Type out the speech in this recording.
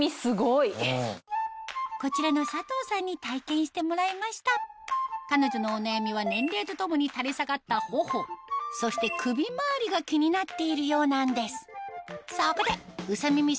こちらの佐藤さんに体験してもらいました彼女のお悩みは年齢と共に垂れ下がった頬そして首回りが気になっているようなんです